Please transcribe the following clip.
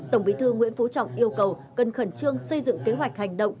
tổng bí thư nguyễn phú trọng yêu cầu cần khẩn trương xây dựng kế hoạch hành động